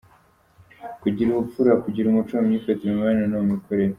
Kugira ubupfura- Kugira umuco mu myifatire, mu mibanire no mu mikorere.